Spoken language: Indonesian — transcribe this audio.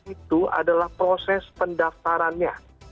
itu adalah proses pendaftarannya